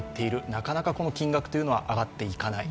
なかなか金額は上がっていかない。